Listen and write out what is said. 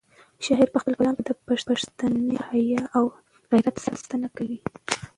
شاعر په خپل کلام کې د پښتني حیا او غیرت ساتنه کوي.